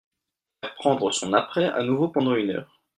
Faire prendre son apprêt à nouveau pendant une heure.